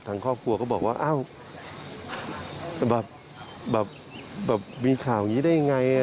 ทางครอบครัวก็บอกว่าอ้าวแบบมีข่าวอย่างนี้ได้ยังไง